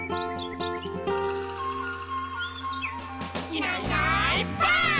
「いないいないばあっ！」